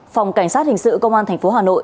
phòng cảnh sát hình sự công an tp hà nội